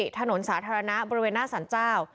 ถนนสาธารณะบริเวณหน้าสรรเจ้า